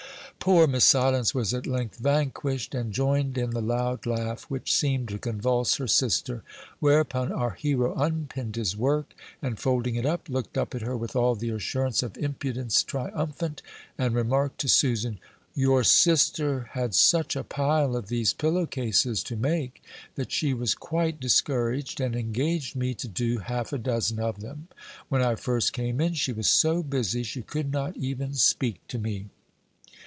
Poor Miss Silence was at length vanquished, and joined in the loud laugh which seemed to convulse her sister. Whereupon our hero unpinned his work, and folding it up, looked up at her with all the assurance of impudence triumphant, and remarked to Susan, "Your sister had such a pile of these pillow cases to make, that she was quite discouraged, and engaged me to do half a dozen of them: when I first came in she was so busy she could not even speak to me."